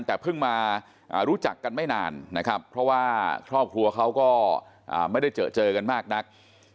แต่เพิ่งมารู้จักกันไม่นานนะครับเพราะว่าครอบครัวเขาก็ไม่ได้เจอเจอกันมากนัก